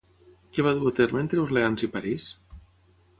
Què va dur a terme entre Orleans i París?